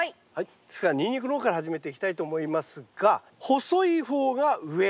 ですからニンニクの方から始めていきたいと思いますが細い方が上。